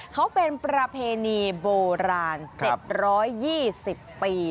เขาเป็นประเพณีโบราณ๗๒๐ปี